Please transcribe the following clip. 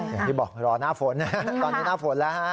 อย่างที่บอกรอหน้าฝนตอนนี้หน้าฝนแล้วฮะ